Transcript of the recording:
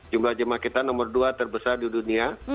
jumlah jemaah kita nomor dua terbesar di dunia